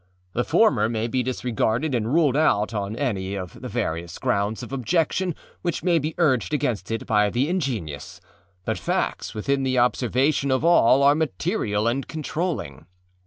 The former may be disregarded and ruled out on any of the various grounds of objection which may be urged against it by the ingenious; but facts within the observation of all are material and controlling.